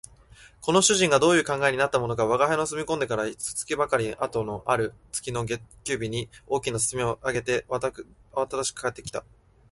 この主人がどういう考えになったものか吾輩の住み込んでから一月ばかり後のある月の月給日に、大きな包みを提げてあわただしく帰って来た